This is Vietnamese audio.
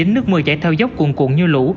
nước mưa chảy theo dốc cuồn cuộn như lũ